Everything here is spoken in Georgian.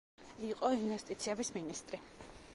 იყო ინვესტიციების მინისტრი.